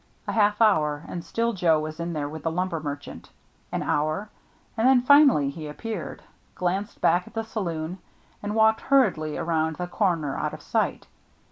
A half hour, and still Joe^ was in there with the lumber merchant. An hour — and then finally he appeared, glanced back at the saloon, and walked hurriedly around the corner out of sight.